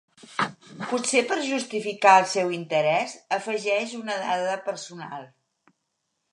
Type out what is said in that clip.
Potser per justificar el seu interès, afegeix una dada personal.